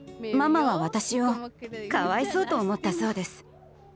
ママは私をかわいそうと思ったそうです。